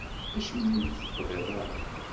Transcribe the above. Acimi ur d-teqḍiḍ ara?